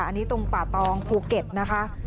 อันนี้ตรงป่าตองภูเก็ตนะคะ